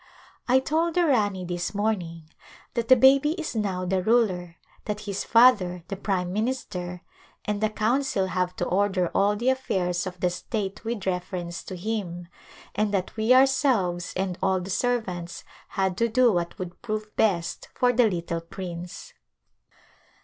I told the Rani this morning that the baby is now the ruler, that his father, the prime minister, and the council have to order all the affairs of the state with reference to him, and that we ourselves, and all the servants, had to do what would prove best for the little prince.